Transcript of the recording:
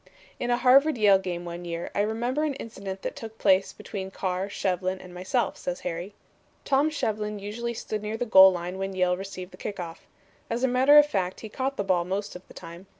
"In a Harvard Yale game one year I remember an incident that took place between Carr, Shevlin and myself," says Harry. "Tom Shevlin usually stood near the goal line when Yale received the kick off. As a matter of fact he caught the ball most of the time.